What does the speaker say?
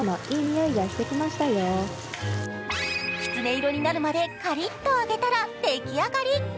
きつね色になるまでカリッと揚げたら出来上がり。